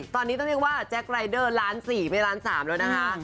ตอนนี้ต้องเรียกว่าแจ็ครายเดอร์ล้าน๔ไม่ล้าน๓แล้วนะคะ